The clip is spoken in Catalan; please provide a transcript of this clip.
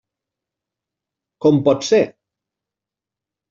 Com pot ser?